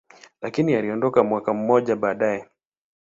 lakini aliondoka mwaka mmoja baadaye.